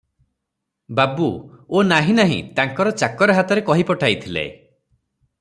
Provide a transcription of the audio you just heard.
ବାବୁ – ଓ ନାହିଁ ନାହିଁ, ତାଙ୍କର ଚାକର ହାତରେ କହି ପଠାଇଥିଲେ ।